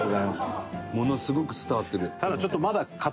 ものすごく伝わってる。